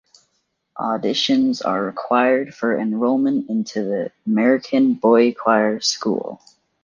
Auditions are required for enrollment into The American Boychoir School.